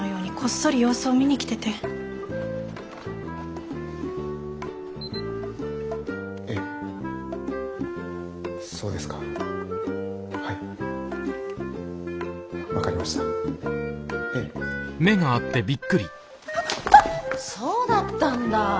そうだったんだ。